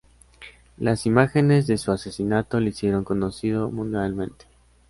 Las imágenes de su asesinato le hicieron conocido mundialmente.